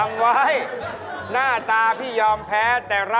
น้องเขาตีพี่เหมือนพวกกระดาษชิชชู่เปลี่ยนนะ